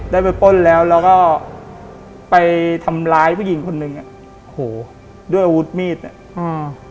ได้ไปป้นแล้วแล้วก็ไปทำร้ายผู้หญิงคนหนึ่งอ่ะโหด้วยอาวุธมีดเนี้ยอืม